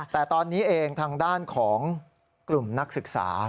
แต่ตอนนี้เองทางด้านของกลุ่มนักศึกษา